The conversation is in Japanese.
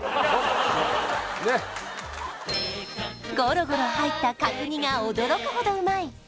ねっゴロゴロ入った角煮が驚くほどうまい！